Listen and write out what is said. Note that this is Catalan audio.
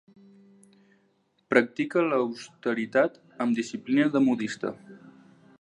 Practica l'austeritat amb disciplina de modista.